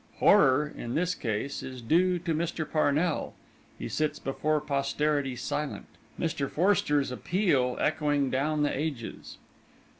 Horror, in this case, is due to Mr. Parnell: he sits before posterity silent, Mr. Forster's appeal echoing down the ages.